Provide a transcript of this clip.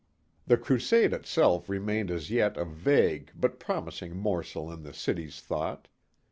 The crusade itself remained as yet a vague but promising morsel in the city's thought.